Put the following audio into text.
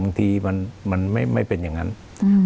บางทีมันมันไม่ไม่เป็นอย่างนั้นอืม